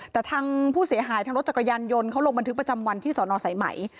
แต่ทางผู้เสียหายทางรถจักรยานยนต์เขาลงบันทึกประจำวันที่สอนอสายไหม